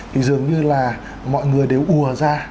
thì dường như là mọi người đều ùa ra